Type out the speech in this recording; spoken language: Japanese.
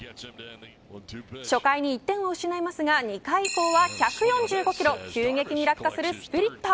初回に１点を失いますが２回以降は１４５キロ急激に落下するスプリット。